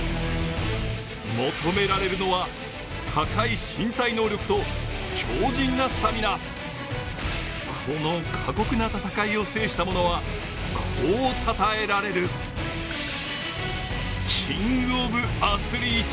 求められるのは、高い身体能力と強じんなスタミナ、この過酷な戦いを制したものはこうたたえられる、キングオブアスリート。